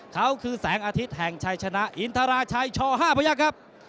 เขาคือแสงอาทิตย์แห่งชัยชนะอินทราชัยช๕พยักษ์ครับ